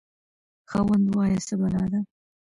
خاوند: وایه څه بلا ده؟